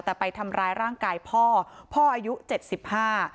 แต่ไปทำร้ายร่างกายพ่อพ่ออายุเจ็ดสิบห้า